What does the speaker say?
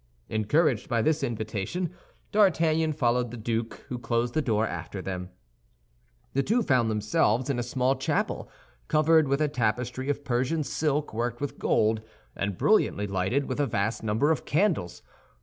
Encouraged by this invitation, D'Artagnan followed the duke, who closed the door after them. The two found themselves in a small chapel covered with a tapestry of Persian silk worked with gold, and brilliantly lighted with a vast number of candles.